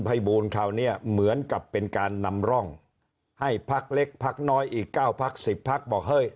ภัยบูรณ์คราวเนี่ยเหมือนกับการนำร่องให้ภาคเล็กภาคน้อยอีก๙ภาค๑๐ภาคบอก